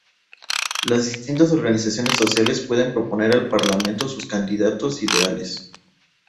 Las distintas organizaciones sociales pueden proponer al parlamento sus candidatos ideales.